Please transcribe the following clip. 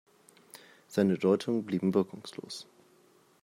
Seine Deutungen blieben wirkungslos.